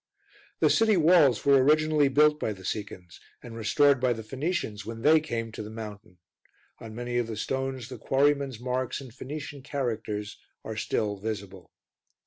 The city walls were originally built by the Sicans, and restored by the Phoenicians when they came to the mountain; on many of the stones the quarrymen's marks in Phoenician characters are still visible.